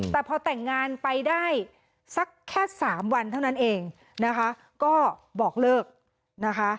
แต่พอแต่งงานไปได้สักแค่สามวันเท่านั้นเองนะคะก็บอกเลิกนะคะ